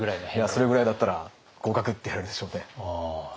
それぐらいだったら合格！って言われるでしょうね。